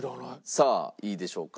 さあいいでしょうか？